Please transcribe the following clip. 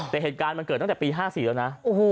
แต่เหตุการณ์มันเกิดตั้งแต่ปี๕๔แล้วนะ